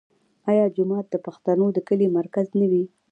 آیا جومات د پښتنو د کلي مرکز نه وي؟